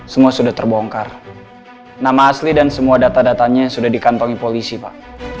semua sudah terbongkar nama asli dan semua data datanya sudah dikantongi polisi pak